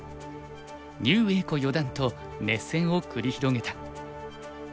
牛栄子四段と熱戦を繰り広げた。